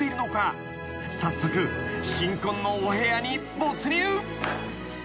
［早速新婚のお部屋に没入］